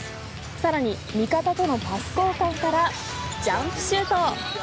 さらに味方とのパス交換からジャンプシュート。